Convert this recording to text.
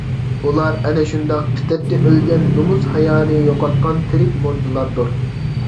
ئۇلار ئەنە شۇنداق پىترىتى ئۆلگەن، نۇمۇس - ھايانى يوقاتقان تىرىك مۇردىلاردۇر.